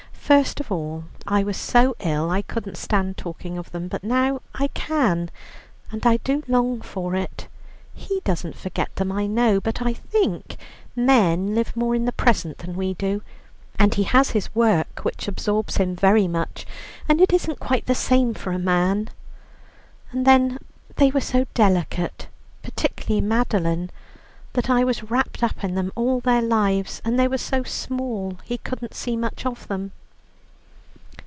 First of all I was so ill, I couldn't stand talking of them, but now I can, and I do long for it. He doesn't forget them, I know, but I think men live more in the present than we do; and he has his work, which absorbs him very much, and it isn't quite the same for a man. And then they were so delicate, particularly Madeline, that I was wrapped up in them all their lives; and they were so small, he couldn't see much of them."